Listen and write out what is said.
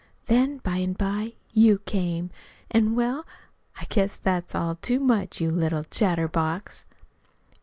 Then by an' by you came, an' well, I guess that's all too much, you little chatterbox!"